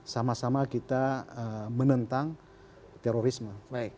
sama sama kita menentang terorisme